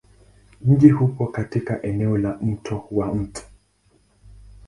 Mji upo katika eneo la Mto wa Mt.